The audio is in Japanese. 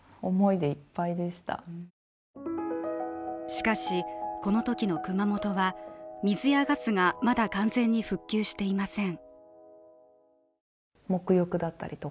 しかし、このときの熊本は水やガスがまだ完全に復旧していません。